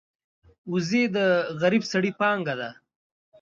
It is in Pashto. وزې د غریب سړي پانګه ده